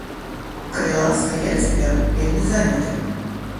Калі ласка, я цяпер вельмі заняты.